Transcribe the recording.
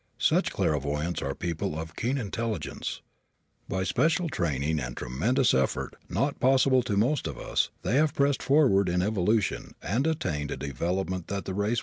Such clairvoyants are people of keen intelligence. By special training and tremendous effort, not possible to most of us, they have pressed forward in evolution and attained a development that the race will be many a century in reaching.